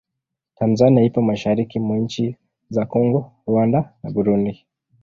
Tanzania ipo mashariki mwa nchi za Kongo, Rwanda na Burundi.